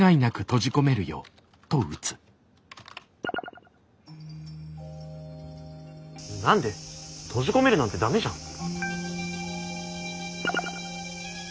閉じ込めるなんてダメじゃん。